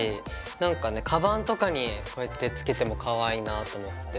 なんかねカバンとかにこうやって付けてもかわいいなぁと思って。